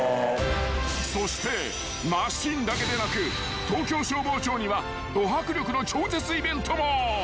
［そしてマシンだけでなく東京消防庁にはど迫力の超絶イベントも］